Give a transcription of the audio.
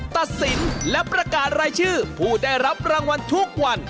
ตัดสินและประกาศรายชื่อผู้ได้รับรางวัลทุกวัน